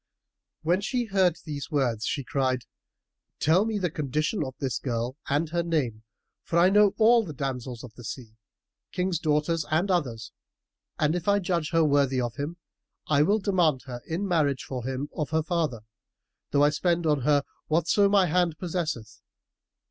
'" When she heard these words, she cried, "Tell me the condition of this girl, and her name for I know all the damsels of the sea, Kings' daughters and others; and, if I judge her worthy of him, I will demand her in marriage for him of her father, though I spend on her whatso my hand possesseth.